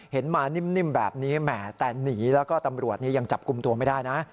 เห็นมานิ่มแบบนี้แหมแต่หนีแล้วก็ตำรวจยังจับกลุ่มตัวไม่ได้นะ